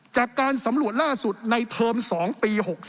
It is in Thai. จากการสำรวจล่าสุดในเทอม๒ปี๖๓